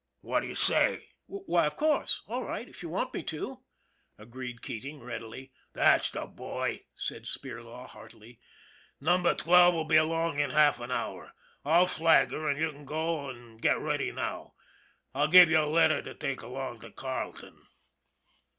What do you say ?"" Why, of course. All right, if you want me to," agreed Keating readily. " That's the boy," said Spirlaw, heartily. " Number Twelve will be along in half an hour. I'll flag her, an' you can go an' get ready now. I'll give you a letter to take along to Carleton."